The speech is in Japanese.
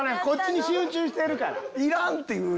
こっちに集中してるから。